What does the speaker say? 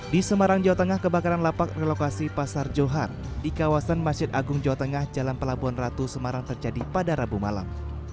di semarang jawa tengah kebakaran lapak relokasi pasar johar di kawasan masjid agung jawa tengah jalan pelabuhan ratu semarang terjadi pada rabu malam